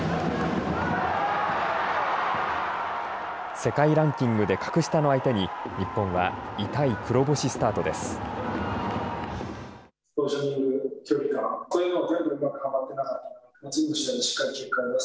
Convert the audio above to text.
世界ランキングで格下の相手に日本は痛い黒星スタートです。